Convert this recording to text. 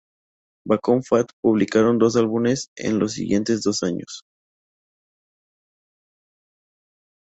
Bacon Fat publicaron dos álbumes en los siguientes dos años.